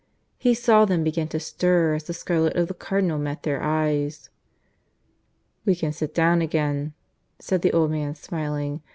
He saw them begin to stir as the scarlet of the Cardinal met their eyes. "We can sit down again," said the old man, smiling.